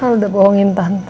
al sudah bohongin tante